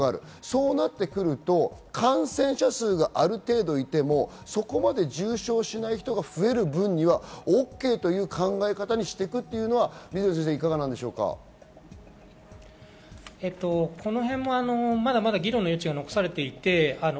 そうなると感染者数が、ある程度いてもそこまで重症化しない人が増える分にはＯＫという考え方にしていくというのはいかがなんで議論の余地は残されています。